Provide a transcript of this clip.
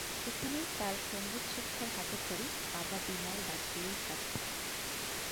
সেখানেই তার সংগীত শিক্ষার হাতেখড়ি বাবা বিমল বাজপেয়ীর কাছ থেকে।